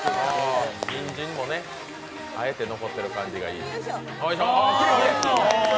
にんじんもあえて残っている感じがいいよいしょ！